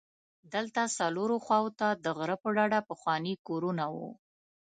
دلته څلورو خواوو ته د غره په ډډه پخواني کورونه وو.